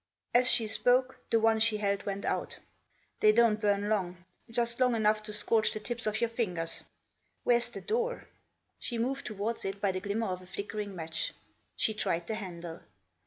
As she spoke the one she held Went out. " They don't burn long ; just long enough tn scorch the tips of your fingers. Where's the door ?" She moved towards it by the glimmer of a flickering match, She tried the handle.